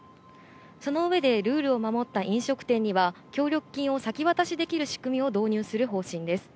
その上でルールを守った飲食店には、協力金を先渡しできる仕組みを導入する方針です。